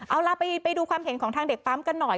เอาล่ะไปดูความเห็นของทางเด็กปั๊มกันหน่อย